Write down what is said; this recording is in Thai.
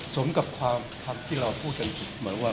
สมกับความคำที่เราพูดกันเหมือนว่า